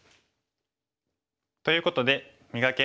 ということで「磨け！